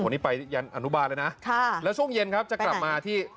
โอ้โหนี่ไปอย่างอนุบาลเลยนะค่ะแล้วช่วงเย็นครับจะกลับมาที่